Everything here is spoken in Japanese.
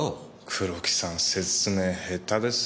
黒木さん説明下手ですよ。